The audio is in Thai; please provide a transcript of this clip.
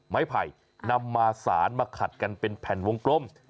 ไผ่นำมาสารมาขัดกันเป็นแผ่นวงกลม